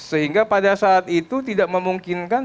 sehingga pada saat itu tidak memungkinkan